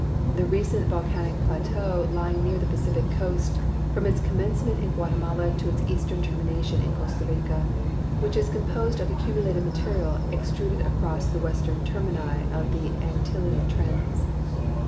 The recent volcanic plateau lying nearer the Pacific coast from its commencement in Guatemala to its eastern termination in Costa Rica, which is composed of accumulated material ex truded across the western termini of the Antillean trends.